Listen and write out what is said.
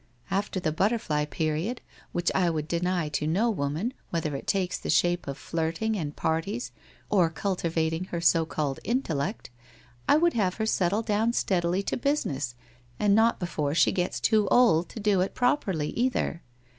After the butterfly period, which I would deny to no woman, whether it takes the shape of flirting and parties or cultivating her so called intel lect, I would have her settle down steadily to business, and not before she gets too old to do it properly, either.